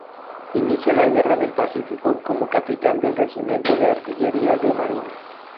Inicia la Guerra del Pacífico como Capitán del regimiento de Artillería de Marina.